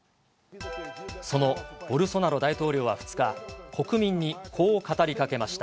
そのボルソナロ大統領は２日、国民にこう語りかけました。